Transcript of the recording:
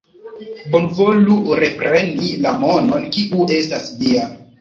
Bonvolu repreni la monon, kiu estas via.